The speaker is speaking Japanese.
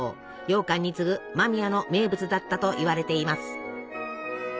ようかんに次ぐ間宮の名物だったといわれています。